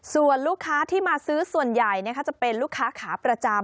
ส่วนลูกค้าที่มาซื้อส่วนใหญ่จะเป็นลูกค้าขาประจำ